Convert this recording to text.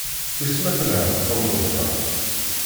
Wis ma telha tqendurt-a?